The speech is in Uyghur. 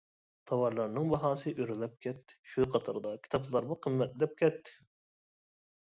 تاۋارلارنىڭ باھاسى ئۆرلەپ كەتتى، شۇ قاتاردا كىتابلارمۇ قىممەتلەپ كەتتى.